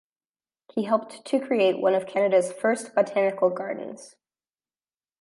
He helped to create one of Canada's first botanical gardens.